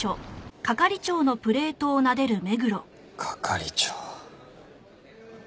係長。